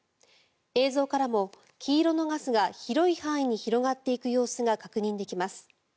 映像からも、黄色のガスが広い範囲に広がっていく様子が確認できます。